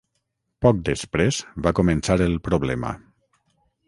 Poc després va començar el problema.